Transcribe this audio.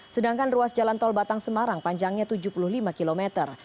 sedangkan ruas jalan tol batang semarang panjangnya tujuh puluh lima km